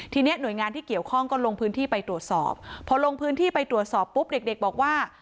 ทีนี้หน่วยงานที่เกี่ยวข้องก็ลงพื้นที่ไปตรวจสอบพอลงพื้นที่ไปตรวจสอบปุ๊บเด็กเด็กบอกว่า